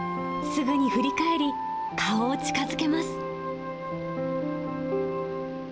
すぐに振り返り、顔を近づけます。